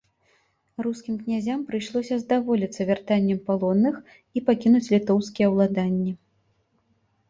Рускім князям прыйшлося здаволіцца вяртаннем палонных і пакінуць літоўскія ўладанні.